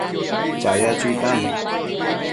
chaya chuitan